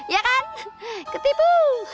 ya kan ketipu